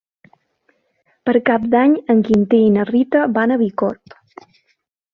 Per Cap d'Any en Quintí i na Rita van a Bicorb.